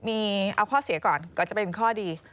มีเอาข้อเสียก่อนก่อนจะเป็นข้อดี